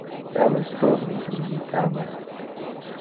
Alice dormi in mi camera.